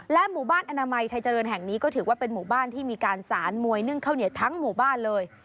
หมู่บ้านอนามัยไทยเจริญแห่งนี้ก็ถือว่าเป็นหมู่บ้านที่มีการสารมวยนึ่งข้าวเหนียวทั้งหมู่บ้านเลย